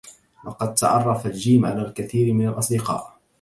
لقد تعرّف جيم على الكثير من الأصدقاء.